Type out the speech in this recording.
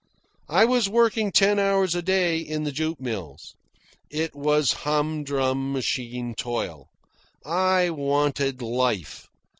I was working ten hours a day in the jute mills. It was hum drum machine toil. I wanted life.